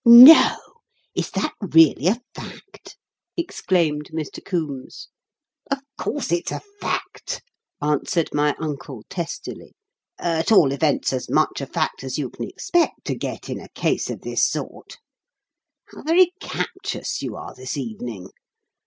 "No! Is that really a fact?" exclaimed Mr. Coombes. "Of course it's a fact," answered my uncle testily; "at all events, as much a fact as you can expect to get in a case of this sort. "How very captious you are this evening.